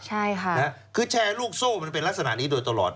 ใช่ค่ะคือแชร์ลูกโซ่มันเป็นลักษณะนี้โดยตลอด